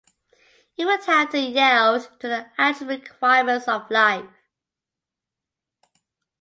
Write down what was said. It would have to yield to the actual requirements of life.